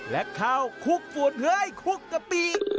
และข้าวคุกฝั่วเท้ยคุกกะปี